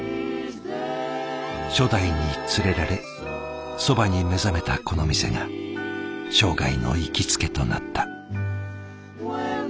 初代に連れられそばに目覚めたこの店が生涯の行きつけとなった。